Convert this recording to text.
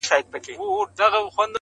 را پوره مي د پېړیو د بابا دغه ارمان کې؛